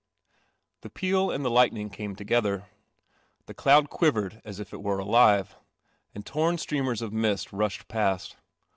The peal and the lightning came together. The cloud quivered as it it were alive, and turn streamers i t mist rushed pa t.